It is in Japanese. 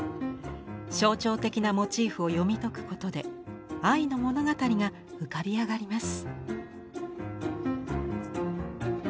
象徴的なモチーフを読み解くことで愛の物語が浮かび上がります。